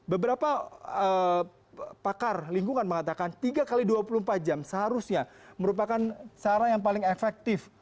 beberapa pakar lingkungan mengatakan tiga x dua puluh empat jam seharusnya merupakan cara yang paling efektif